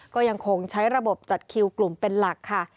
ก็ยังคงใช้ระบบจัดคิวกลุ่มเป็นหลักค่ะ